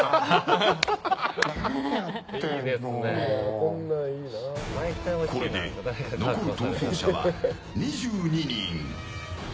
これで、残る逃走者は２２人。